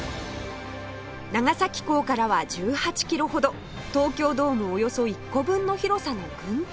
長崎港からは１８キロほど東京ドームおよそ１個分の広さの軍艦島